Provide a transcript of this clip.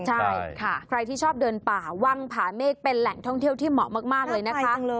ใช่ค่ะใครที่ชอบเดินป่าว่างผาเมฆเป็นแหล่งท่องเที่ยวที่เหมาะมากเลยนะคะ